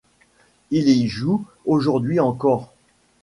Il y joue aujourd'hui encore.